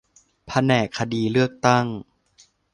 แผนกคดีเลือกตั้ง